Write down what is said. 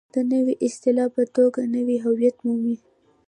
د نوې اصطلاح په توګه نوی هویت مومي.